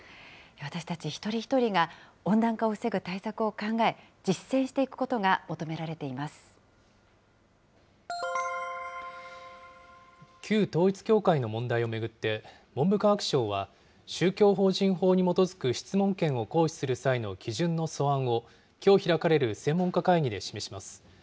私たち一人一人が温暖化を防ぐ対策を考え、実践していくことが求旧統一教会の問題を巡って、文部科学省は、宗教法人法に基づく質問権を行使する際の基準の素案を、きょう開かれる専門家会議で示します。